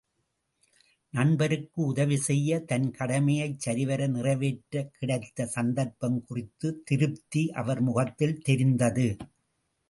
நண்பருக்கு உதவி செய்ய தன் கடமையை சரிவர நிறைவேற்ற கிடைத்த சந்தர்ப்பம் குறித்த திருப்தி, அவர் முகத்தில் தெரிந்தது.